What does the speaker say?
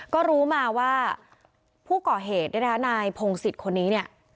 ก็รู้มาผู้เก่าเหตุนายพงศิษย์คนนี้เนี้ย